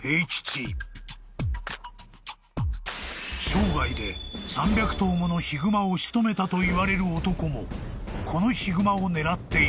［生涯で３００頭ものヒグマを仕留めたといわれる男もこのヒグマを狙っていた］